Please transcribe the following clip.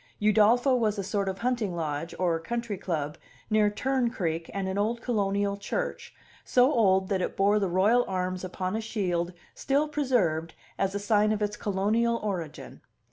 Udolpho was a sort of hunting lodge or country club near Tern Creek and an old colonial church, so old that it bore the royal arms upon a shield still preserved as a sign of its colonial origin.